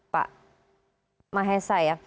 pak mahesa ya